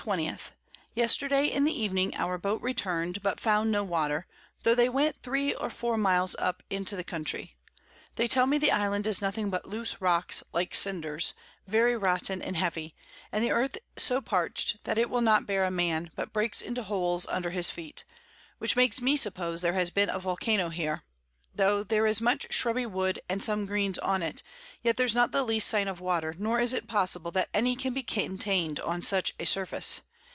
_ Yesterday in the Evening our Boat return'd, but found no Water, tho' they went 3 or 4 Miles up into the Country: They tell me the Island is nothing but loose Rocks, like Cynders, very rotten and heavy, and the Earth so parch'd, that it will not bear a Man, but breaks into Holes under his Feet, which makes me suppose there has been a Vulcano here; tho' there is much shrubby Wood, and some Greens on it, yet there's not the least Sign of Water, nor is it possible, that any can be contain'd on such a Surface.